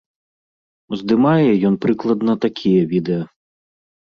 Здымае ён прыкладна такія відэа.